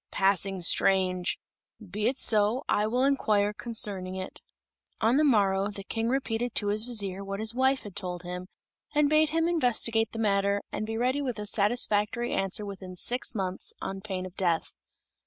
"Passing strange! Be it so. I will inquire concerning it." On the morrow the King repeated to his vizier what his wife had told him, and bade him investigate the matter, and be ready with a satisfactory answer within six months, on pain of death.